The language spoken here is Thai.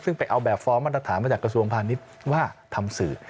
ซึ่งไปเอาแบบฟอร์มมาตรฐานมาจากกระทรวงพาณิชย์ว่าทำสื่อ